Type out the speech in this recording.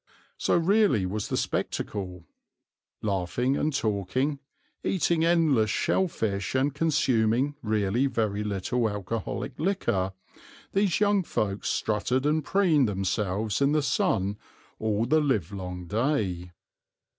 So really was the spectacle. Laughing and talking, eating endless shell fish, and consuming really very little alcoholic liquor, these young folks strutted and preened themselves in the sun all the livelong day.